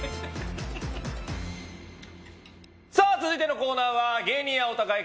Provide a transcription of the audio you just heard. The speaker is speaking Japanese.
続いてのコーナーは芸人青田買い！